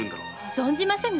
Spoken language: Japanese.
存じませぬ！